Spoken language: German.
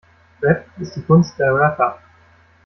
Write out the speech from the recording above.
Rap ist die Kunst der Rapper.